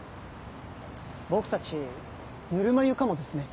僕たちぬるま湯かもですね。